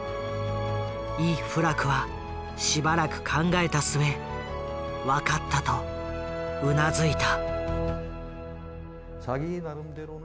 イ・フラクはしばらく考えた末「分かった」とうなずいた。